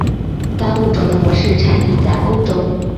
该物种的模式产地在欧洲。